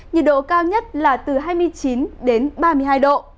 nhiệt độ cao nhất là từ hai mươi chín đến ba mươi hai độ